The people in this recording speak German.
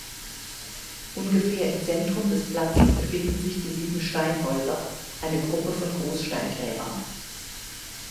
Ungefähr im Zentrum des Platzes befinden sich die Sieben Steinhäuser, eine Gruppe von Großsteingräbern.